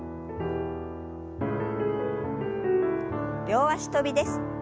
両脚跳びです。